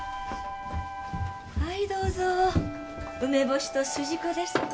はいどうぞ梅干しと筋子です